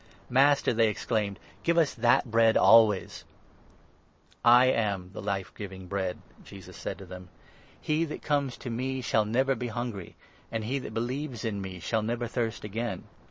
" Master," they exclaimed, " give us that Bread always !" 34 "I am the Life giving Bread," Jesus said to them; "he 35 that comes to me shall never be hungry, and he that believes in me shall never thirst again.